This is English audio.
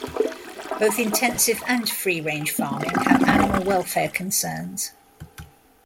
Both intensive and free-range farming have animal welfare concerns.